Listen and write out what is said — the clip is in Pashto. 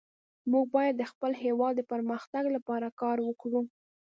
موږ باید د خپل هیواد د پرمختګ لپاره کار وکړو